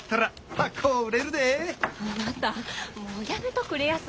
あなたもうやめとくれやす。